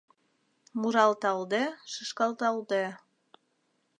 Муралталде, шӱшкалталде